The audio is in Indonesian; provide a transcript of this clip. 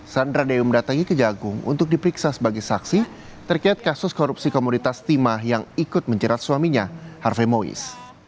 sandra dewi mendatangi kejagung untuk diperiksa sebagai saksi terkait kasus korupsi komoditas timah yang ikut menjerat suaminya harve mois